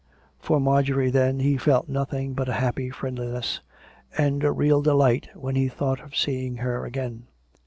For Marjorie, then, he felt nothing but a happy friend liness, and a real delight when he thought of seeing her again.